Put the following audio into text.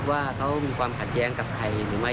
ว่าเขามีความขัดแย้งกับใครหรือไม่